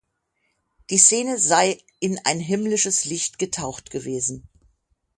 Die Szene sei in ein himmlisches Licht getaucht gewesen.